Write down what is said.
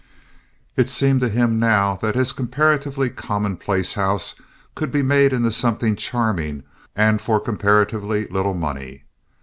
It seemed to him now that his comparatively commonplace house could be made into something charming and for comparatively little money.